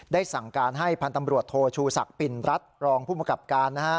สั่งการให้พันธ์ตำรวจโทชูศักดิ์ปิ่นรัฐรองผู้มกับการ